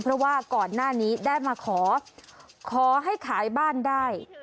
เพราะว่าก่อนหน้านี้ได้มาขอขอให้ขายบ้านได้